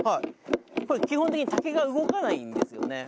これ基本的に竹が動かないんですよね。